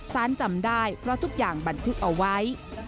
จำได้เพราะทุกอย่างบันทึกเอาไว้